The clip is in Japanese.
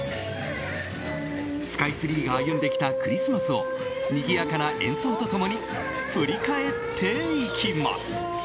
スカイツリーが歩んできたクリスマスをにぎやかな演奏と共に振り返っていきます。